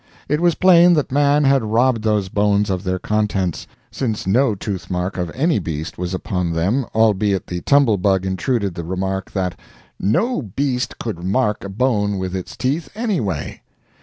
It was plain that Man had robbed those bones of their contents, since no toothmark of any beast was upon them albeit the Tumble Bug intruded the remark that 'no beast could mark a bone with its teeth, anyway.'